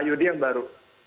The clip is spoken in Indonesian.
iud yang baru